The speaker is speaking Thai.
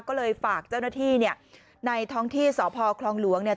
ก็เลยฝากเจ้าหน้าที่เนี่ยในท้องที่สพคลองหลวงเนี่ย